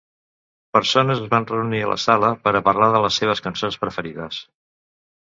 Persones es van reunir a una sala per a parlar de les seves cançons preferides.